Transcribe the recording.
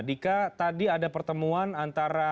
dika tadi ada pertemuan antara